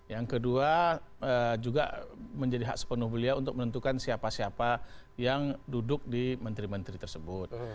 yang kedua juga menjadi hak sepenuh beliau untuk menentukan siapa siapa yang duduk di menteri menteri tersebut